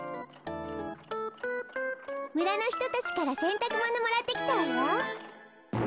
むらのひとたちからせんたくものもらってきたわよ。